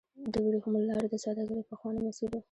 د ورېښمو لار د سوداګرۍ پخوانی مسیر و.